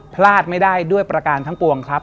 พลาดไม่ได้ด้วยประการทั้งปวงครับ